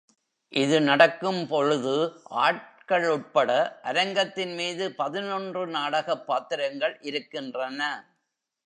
இது நடக்கும்பொழுது ஆட்கள் உட்பட அரங்கத்தின்மீது பதினொன்று நாடகப் பாத்திரங்கள் இருக்கின்றன.